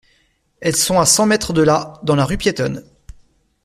Elles sont à cent mètres de là, dans la rue piétonne.